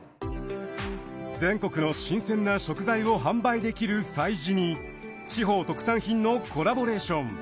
全国の新鮮な食材を販売できる催事に地方特産品のコラボレーション。